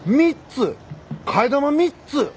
替え玉３つ！？